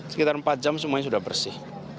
sekitar empat jam semuanya sudah bersih